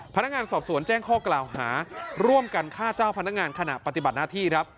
พนักงานสอบสวนแจ้งข้อกล่าวหาร่วมกันฆ่าเจ้าพนักงานขณะปฏิบัติหน้าที่ครับ